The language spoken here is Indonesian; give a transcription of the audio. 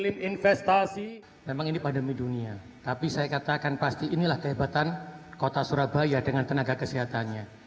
memang ini pandemi dunia tapi saya katakan pasti inilah kehebatan kota surabaya dengan tenaga kesehatannya